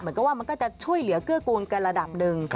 เหมือนก็ว่ามันก็จะช่วยเหลือเกื้อกรุงกันระดับหนึ่ง